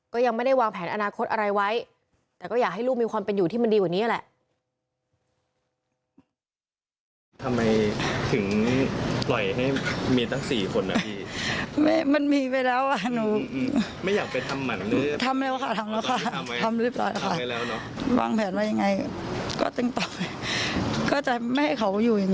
ก็ยังไม่ได้วางแผนอนาคตอะไรไว้แต่ก็อยากให้ลูกมีความเป็นอยู่ที่มันดีกว่านี้แหละ